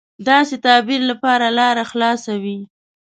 داسې تعبیر لپاره لاره خلاصه وي.